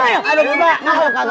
kenapa lu kagak sholat